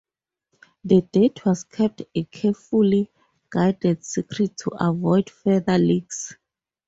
The date was kept a carefully guarded secret to avoid further leaks.